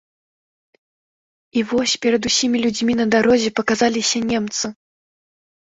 І вось перад усімі людзьмі на дарозе паказаліся немцы.